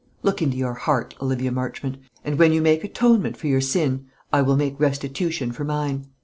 Look into your heart, Olivia Marchmont; and when you make atonement for your sin, I will make restitution for mine.